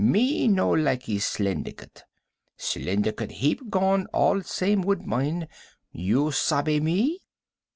Me no likee slyndicate. Slyndicate heap gone all same woodbine. You sabbe me?